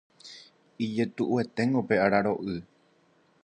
Ijetu'ueténgo pe araro'y